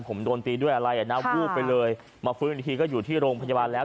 ผมโดนตีด้วยอะไรอ่ะนะวูบไปเลยมาฟื้นอีกทีก็อยู่ที่โรงพยาบาลแล้ว